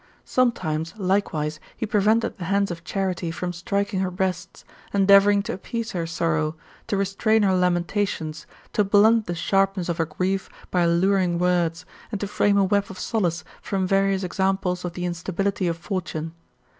Sometimes, likewise, he prevented the hands of Charite from striking her breasts, endeavoured to ia6 THE METAMORPHOSIS, OR appetse her sorrow, to restrain her lamentations, to blunt the sharpness of her grief by alluring words, and to frame a web of solace from various examples of the instability of Fortune.